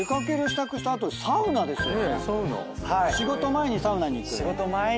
仕事前にサウナに行く？